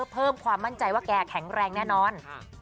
เพิ่มความมั่นใจว่าแกแข็งแรงแน่นอน